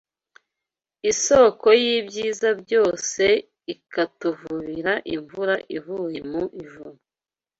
iSōko y’ibyiza byose ikatuvubira imvura ivuye mu ijuru